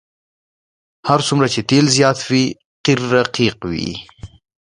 هر څومره چې تیل زیات وي قیر رقیق وي